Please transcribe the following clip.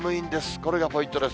これがポイントです。